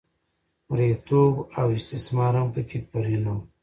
مریتوب او استثمار هم په کې پرېنه و.